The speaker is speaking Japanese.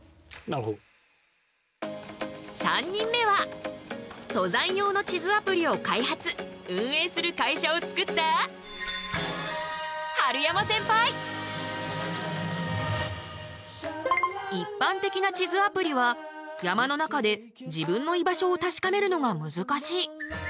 ３人目は登山用の地図アプリを開発・運営する会社を作った一般的な地図アプリは山の中で自分の居場所を確かめるのが難しい。